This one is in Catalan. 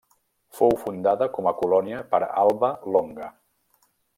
Fou fundada com a colònia per Alba Longa.